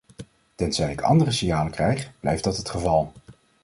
Tenzij ik andere signalen krijg, blijft dat het geval.